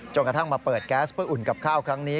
กระทั่งมาเปิดแก๊สเพื่ออุ่นกับข้าวครั้งนี้